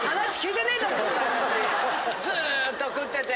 人の話ずっと食ってて。